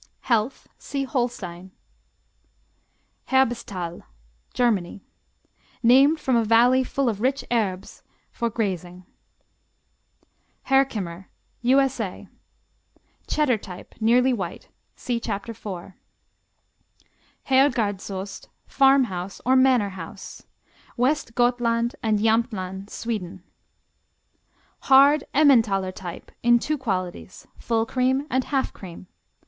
Health see Holstein. Herbesthal Germany Named from a valley full of rich herbes for grazing. Herkimer U.S.A. Cheddar type; nearly white. See Chapter 4. Herrgårdsost, Farm House or Manor House West Gothland and Jamtland, Sweden Hard Emmentaler type in two qualities: full cream and half cream.